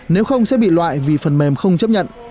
nếu không sẽ bị loại vì phần mềm không chấp nhận